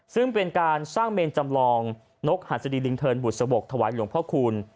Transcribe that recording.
ซึ่งเป็นการสร้างเมนจำลองนกหัสดีลิงเทินบุษบกถวายหลวงพ่อคูณ